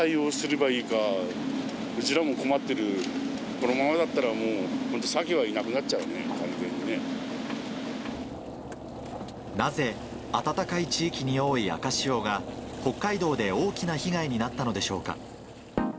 このままだったらもう、本当サケはいなくなっちゃうね、完全にね。なぜ暖かい地域に多い赤潮が、北海道で大きな被害になったのでしょうか。